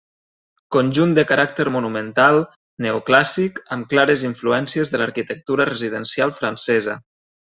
Conjunt de caràcter monumental, neoclàssic, amb clares influències de l'arquitectura residencial francesa.